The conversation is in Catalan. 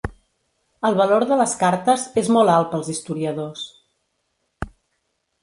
El valor de les cartes és molt alt pels historiadors.